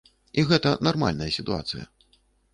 І гэта нармальная сітуацыя.